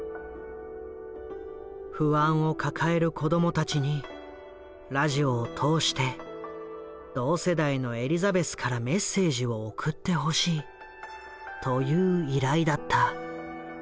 不安を抱える子どもたちにラジオを通して同世代のエリザベスからメッセージを送ってほしいという依頼だった。